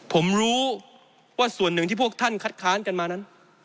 ผมรู้ว่าส่วนหนึ่งที่พวกท่านคัดค้านกันมานั้น